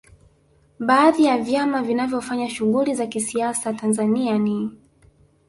Baadhi ya vyama vinavyofanya shughuli za kisiasa Tanzania ni